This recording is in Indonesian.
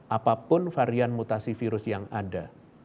apapun varian mutasi virus yang ada